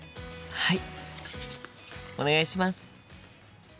はい。